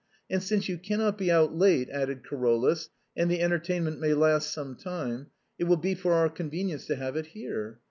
"And since you cannot be out late," added Carolus, " and the entertainment may last some time, it will be for our convenience to have it here.